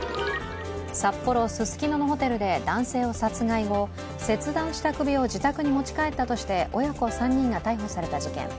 札幌・ススキノのホテルで男性を殺害後、切断した首を自宅に持ち帰ったとして親子３人が逮捕された事件。